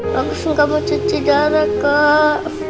bagus enggak mau cuci darah kak